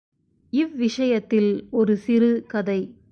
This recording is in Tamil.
இவ்விஷயத்தில் ஒரு சிறு கதை.